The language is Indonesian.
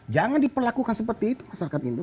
jangan diperlakukan seperti itu masyarakat itu